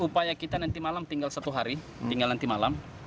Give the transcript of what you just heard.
upaya kita nanti malam tinggal satu hari tinggal nanti malam